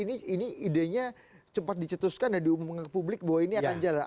ini idenya cepat dicetuskan dan diumumkan ke publik bahwa ini akan jalan